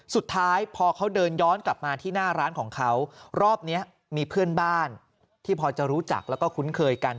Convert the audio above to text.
สุดท้ายพอเขาเดินย้อนกลับมาที่หน้าร้านของเขารอบนี้มีเพื่อนบ้านที่พอจะรู้จักแล้วก็คุ้นเคยกัน